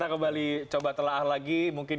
kita kembali coba telah lagi mungkin